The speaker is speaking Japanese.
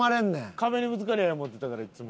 壁にぶつかりゃええ思ってたからいっつも。